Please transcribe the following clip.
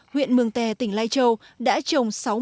huyện mường tè tỉnh lai châu đã được tìm được một người đàn ông